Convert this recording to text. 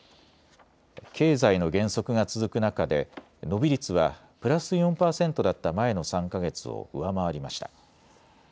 経済の減速が続く中で伸び率はプラス４％だった前の３か月を上回りました。